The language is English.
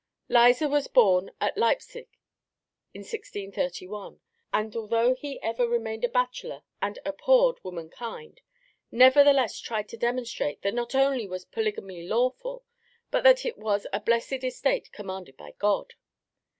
Lyser was born at Leipsic in 1631, and although he ever remained a bachelor and abhorred womankind, nevertheless tried to demonstrate that not only was polygamy lawful, but that it was a blessed estate commanded by God.